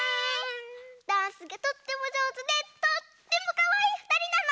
ダンスがとってもじょうずでとってもかわいいふたりなの！